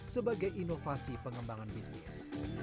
sebagai inovasi pengembangan bisnis